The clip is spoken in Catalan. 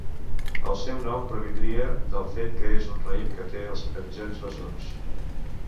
El seu nom provindria del fet que és un raïm que té els penjolls bessons.